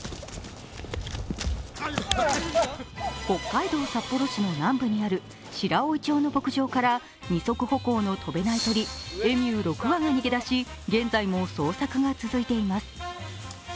北海道札幌市の南部にある白老町の牧場から二足歩行の飛べない鳥、エミュー６羽が逃げ出し、現在も捜索が続いています。